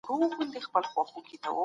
د وچکالی اغیزي پر کروندګرو ډېري دي.